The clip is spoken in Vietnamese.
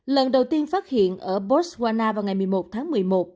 lần đầu tiên phát hiện ở botswana vào ngày một mươi một tháng một mươi một